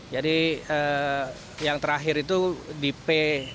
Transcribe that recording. jadi yang terakhir itu di p enam puluh delapan